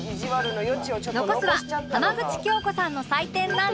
残すは浜口京子さんの採点なんですが